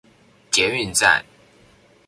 捷運站